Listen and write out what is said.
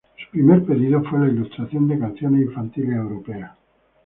Su primer pedido fue la ilustración de canciones infantiles europeas.